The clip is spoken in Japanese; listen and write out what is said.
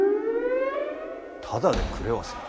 ただでくれはせん。